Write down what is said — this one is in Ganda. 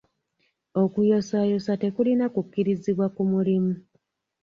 Okuyosaayosa tekulina kukkirizibwa ku mulimu.